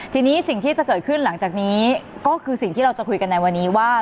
ทีนี้สิ่งที่จะเกิดขึ้นหลังจากนี้ก็คือสิ่งที่เราจะคุยกันในวันนี้ว่า